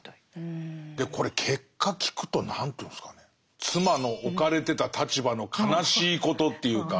でこれ結果聞くと何というんですかね妻の置かれてた立場の悲しいことっていうか。